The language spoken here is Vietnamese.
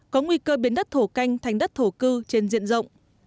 có nguy cơ biến đất thổ canh thành đất thổ cư trên diện rộng